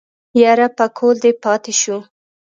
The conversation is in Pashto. يره پکول دې پاتې شو.